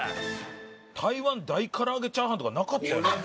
台湾大からあげチャーハンとかなかったよ。